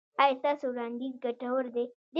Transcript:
ایا ستاسو وړاندیز ګټور دی؟